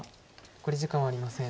残り時間はありません。